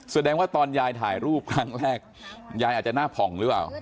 แสดงว่าตอนยายถ่ายรูปครั้งแรกยายอาจจะหน้าผ่องหรือเปล่า